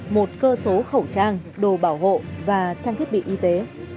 một cơ số khẩu trang đồ bảo hộ và trang thiết bị y tế